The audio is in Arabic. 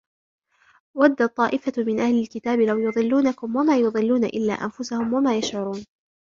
ودت طائفة من أهل الكتاب لو يضلونكم وما يضلون إلا أنفسهم وما يشعرون